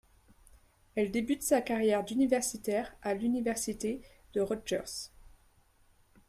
Elle débute sa carrière d'universitaire à l'Université Rutgers.